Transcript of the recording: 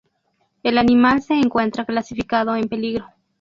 El animal se encuentra clasificado "en Peligro".